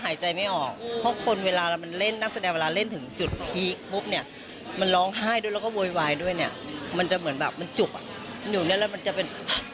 อยู่นั่นแล้วมันจะเป็น